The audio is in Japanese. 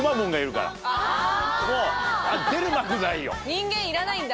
人間いらないんだ？